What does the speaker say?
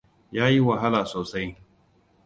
Ya yi wahala sosai.